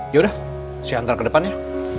ya udah siantar ke depannya